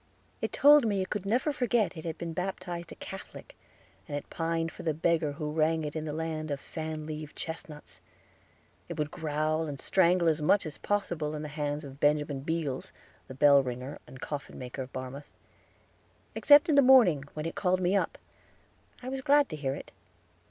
It told me it could never forget it had been baptized a Catholic; and it pined for the beggar who rang it in the land of fan leaved chestnuts! It would growl and strangle as much as possible in the hands of Benjamin Beals, the bell ringer and coffin maker of Barmouth. Except in the morning when it called me up, I was glad to hear it.